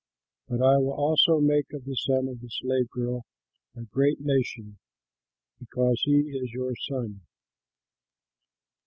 But I will also make of the son of the slave girl a great nation, because he is your son."